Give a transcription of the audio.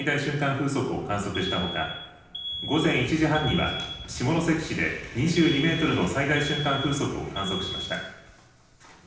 風速を観測したほか午前１時半には下関市で２２メートルの最大瞬間風速を観測しました。